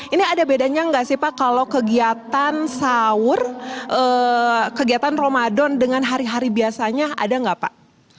ini ada bedanya nggak sih pak kalau kegiatan sahur kegiatan ramadan dengan hari hari biasanya ada nggak pak